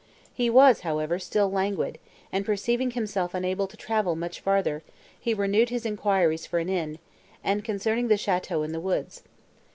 He was, however, still languid, and, perceiving himself unable to travel much farther, he renewed his enquiries for an inn, and concerning the château in the woods.